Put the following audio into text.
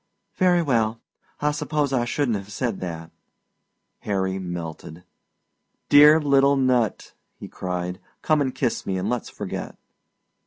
"Very well I suppose I shouldn't have said that." Harry melted. "Dear little nut!" he cried. "Come and kiss me and let's forget."